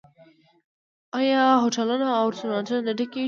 آیا هوټلونه او رستورانتونه نه ډکیږي؟